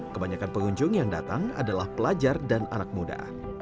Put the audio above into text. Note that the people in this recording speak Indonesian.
kebanyakan pengunjung yang datang adalah pelajar dan anak muda